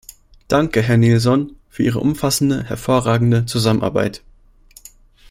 Danke, Herr Nielson, für Ihre umfassende, hervorragende Zusammenarbeit.